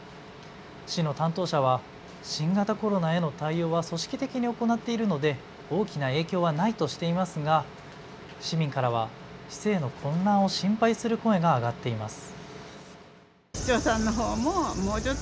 市の担当者は新型コロナへの対応は組織的に行っているので大きな影響はないとしていますが市民からは市政への混乱を心配する声が上がっています。